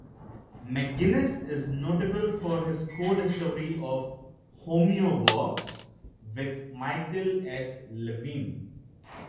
McGinnis is notable for his co-discovery of homeobox, with Michael S. Levine.